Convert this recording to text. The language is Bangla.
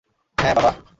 হ্যাঁ, বাবা।